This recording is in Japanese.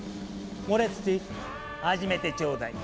モレツティ始めてちょうだい。